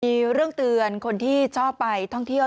มีเรื่องเตือนคนที่ชอบไปท่องเที่ยว